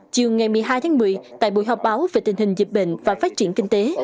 chiều ngày một mươi hai tháng một mươi tại buổi họp báo về tình hình dịch bệnh và phát triển kinh tế